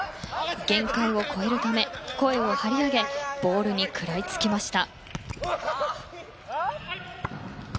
限界を超えるため声を張り上げボールに食らいつきました。